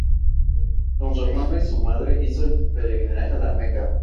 Con su hermano y su madre hizo el peregrinaje a la Meca.